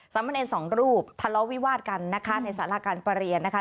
สามเมินเอนสองรูปทะเลาวิวาดกันนะคะในศาลาการประเรียนนะคะ